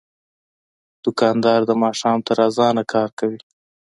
دوکاندار د ماښام تر اذانه کار کوي.